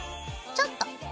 ちょっと。